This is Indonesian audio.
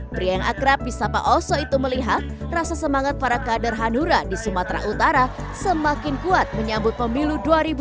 pria yang akrab di sapa oso itu melihat rasa semangat para kader hanura di sumatera utara semakin kuat menyambut pemilu dua ribu dua puluh